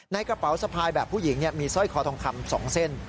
กระเป๋าสะพายแบบผู้หญิงมีสร้อยคอทองคำ๒เส้น